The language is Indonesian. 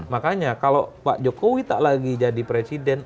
makanya kalau pak jokowi tak lagi jadi presiden